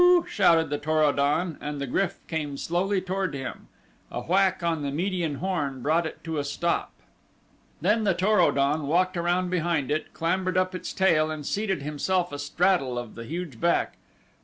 shouted the Tor o don and the GRYF came slowly toward him. A whack on the median horn brought it to a stop. Then the Tor o don walked around behind it, clambered up its tail and seated himself astraddle of the huge back.